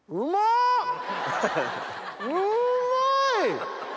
うまい！